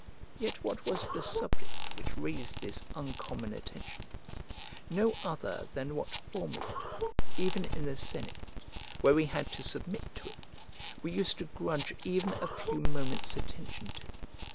Yet what was the subject which raised this uncommon attention? No other than what formerly, even in the senate, where we had to submit to it, we used to grudge even a few moments' attention to.